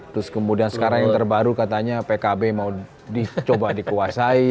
terus kemudian sekarang yang terbaru katanya pkb mau dicoba dikuasai